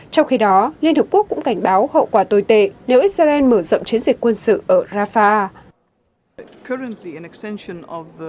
trong khi đó liên hợp quốc cũng cảnh báo hậu quả tồi tệ nếu israel mở rộng chiến dịch quân sự ở rafah